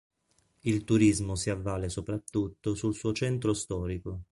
Il turismo si avvale soprattutto sul suo centro storico.